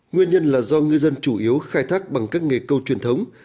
nguyên nhân là do ngư dân chủ yếu khai thác bằng các nghề câu truyền thống